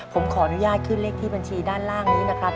ผมขออนุญาตขึ้นเลขที่บัญชีด้านล่างนี้นะครับ